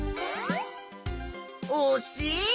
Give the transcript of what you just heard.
おしい。